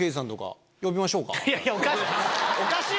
いやいやおかしい！